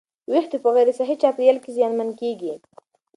ویښتې په غیر صحي چاپېریال کې زیانمن کېږي.